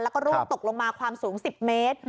แล้วก็ร่วงตกลงมาความสูง๑๐เมตร